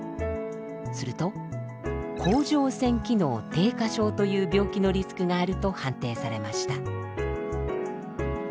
すると甲状腺機能低下症という病気のリスクがあると判定されました。